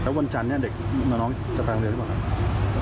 แล้ววันจานนี้เด็กหนองจะไปห้องเรียนหรือเปล่า